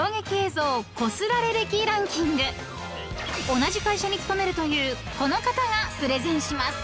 ［同じ会社に勤めるというこの方がプレゼンします］